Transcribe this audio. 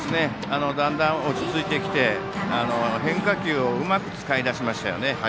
だんだん落ち着いてきて変化球をうまく使い出しましたよね。